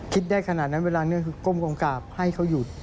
คิดได้ขนาดนั้นเวลานี้คือก้มกองกราบให้เขาหยุด